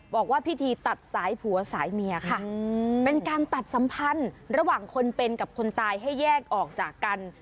บอกว่าพิธีตัดสายผัวสายเมียค่ะเป็นการตัดสัมพันธ์ระหว่างคนเป็นกับคนตายให้แยกออกจากกัน